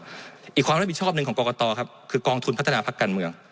อีกความรับผิดชอบหนึ่งของกรกตครับคือกองทุนพัฒนาพักการเมือง